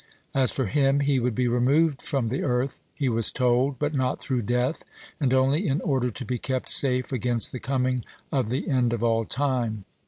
As for him, he would be removed from the earth, he was told, but not through death, and only in order to be kept safe against the coming of the end of all time.